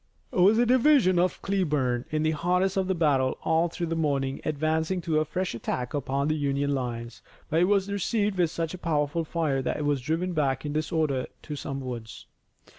It was the division of Cleburne, in the hottest of the battle all through the morning advancing to a fresh attack upon the Union lines, but it was received with such a powerful fire that it was driven back in disorder into some woods.